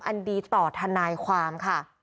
อันดีต่อธนายความ